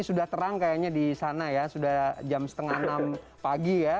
sudah terang kayaknya di sana ya sudah jam setengah enam pagi ya